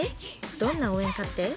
どんな応援かって？